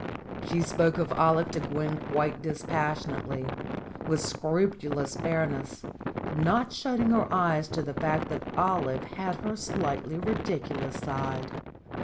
She spoke of Olive to Gwen quite dispassionately, with scrupulous fairness, not shutting her eyes to the fact that Olive had her slightly ridiculous side.